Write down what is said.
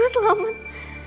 bocok deh dari sini